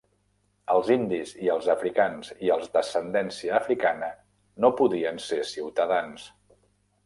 Els indis i els africans i els d'ascendència africana no podien ser ciutadans.